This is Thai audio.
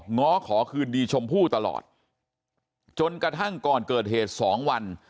ง้อขอคืนดีชมพู่ตลอดจนกระทั่งก่อนเกิดเหตุ๒วัน